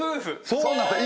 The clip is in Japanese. そうなんです。